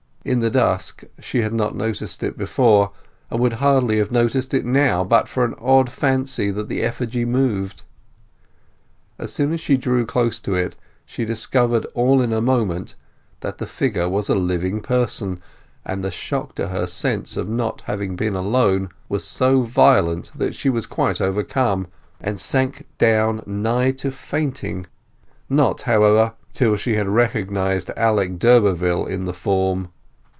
In the dusk she had not noticed it before, and would hardly have noticed it now but for an odd fancy that the effigy moved. As soon as she drew close to it she discovered all in a moment that the figure was a living person; and the shock to her sense of not having been alone was so violent that she was quite overcome, and sank down nigh to fainting, not, however, till she had recognized Alec d'Urberville in the form.